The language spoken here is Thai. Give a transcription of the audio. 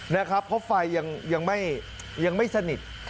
เพราะไฟยังไม่สนิท